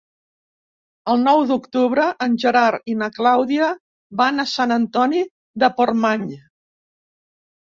El nou d'octubre en Gerard i na Clàudia van a Sant Antoni de Portmany.